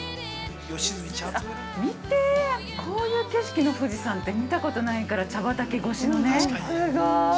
◆見て、こういう景色の富士山て見たことないから、茶畑越しのね。